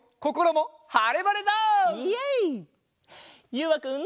ゆうわくん。